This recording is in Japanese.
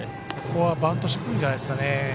ここはバントをしてくるんじゃないですかね。